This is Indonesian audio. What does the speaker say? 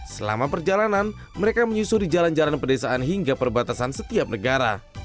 selama perjalanan mereka menyusuri jalan jalan pedesaan hingga perbatasan setiap negara